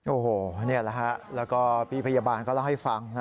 โอ้โหแล้วพี่พยาบาลก็เล่าให้ฟัง